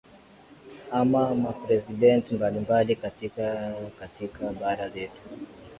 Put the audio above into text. au mapresident mbali mbali katika katika bara letu